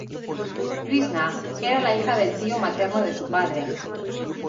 Krishna era la hija del tío materno de su padre.